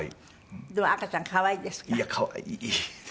でも赤ちゃん可愛いですか？